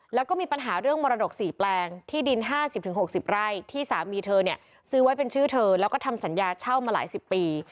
แล้วก็มีปัญหาเรื่องมรดก๔แปลงที่ดิน๕๐๖๐ไร่ที่สามีเธอเนี่ยซื้อไว้เป็นชื่อเธอแล้วก็ทำสัญญาเช่ามาหลายสิบปี